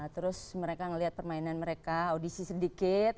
terus mereka ngeliat permainan mereka audisi sedikit